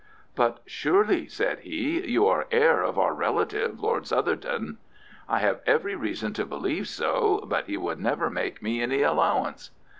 "But surely," said he, "you are the heir of our relative, Lord Southerton?" "I have every reason to believe so, but he would never make me any allowance."